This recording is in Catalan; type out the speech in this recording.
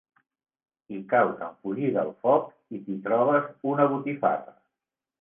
Hi caus en fugir del foc i t'hi trobes una botifarra.